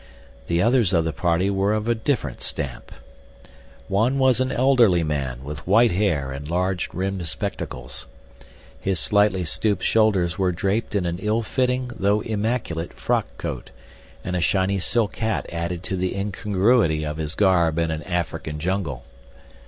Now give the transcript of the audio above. The others of the party were of different stamp. One was an elderly man, with white hair and large rimmed spectacles. His slightly stooped shoulders were draped in an ill fitting, though immaculate, frock coat, and a shiny silk hat added to the incongruity of his garb in an African jungle.